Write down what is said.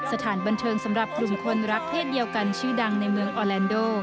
สถานบันเทิงสำหรับกลุ่มคนรักเพศเดียวกันชื่อดังในเมืองออแลนโด